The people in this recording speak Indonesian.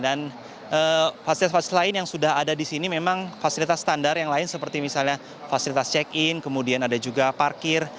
dan fasilitas fasilitas lain yang sudah ada di sini memang fasilitas standar yang lain seperti misalnya fasilitas check in kemudian ada juga parkir